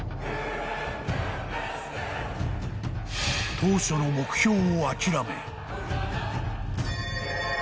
［当初の目標を諦め］